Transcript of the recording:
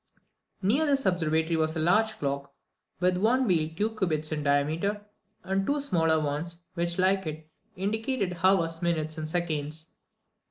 Near this observatory was a large clock, with one wheel two cubits in diameter, and two smaller ones, which, like it, indicated hours, minutes, and seconds.